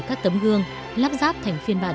các tấm gương lắp ráp thành phiên bản